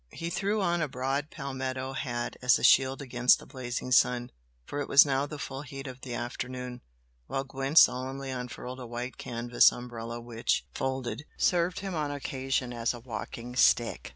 He threw on a broad palmetto hat as a shield against the blazing sun, for it was now the full heat of the afternoon, while Gwent solemnly unfurled a white canvas umbrella which, folded, served him on occasion as a walking stick.